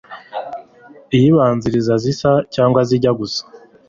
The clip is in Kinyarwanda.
iyibanzirizazisa cyangwa zijya gusa